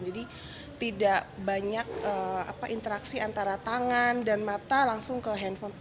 jadi tidak banyak interaksi antara tangan dan mata langsung ke handphone